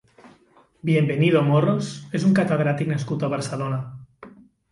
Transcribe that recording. Bienvenido Morros és un catedràtic nascut a Barcelona.